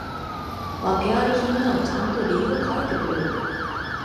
訳あり品ならちゃんと理由書いてくれよ